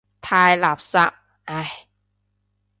太垃圾，唉。